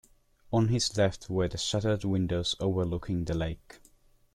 On his left were the shuttered windows overlooking the lake.